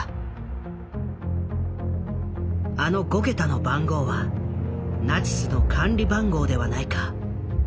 あの５桁の番号はナチスの管理番号ではないか？